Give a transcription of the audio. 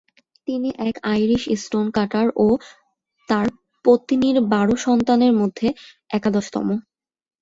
তিনি এক Irish stone cutter ও তার পত্নীর বারো সন্তানের মধ্যে একাদশতম।